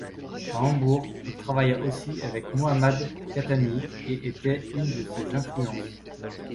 À Hambourg, il travailla aussi avec Mohammad Khatami et était une de ses influences.